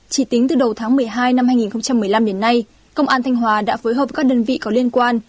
chỉ tính từ đầu tháng một mươi hai năm hai nghìn một mươi năm đến nay công an thanh hòa đã phối hợp các đơn vị có liên quan